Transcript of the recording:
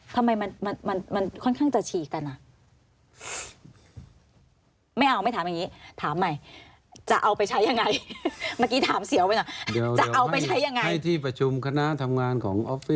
ทำไมมันค่อนข้างจะฉีกกันอ่ะ